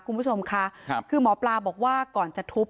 คุณผู้ชมค่ะครับคือหมอปลาบอกว่าก่อนจะทุบ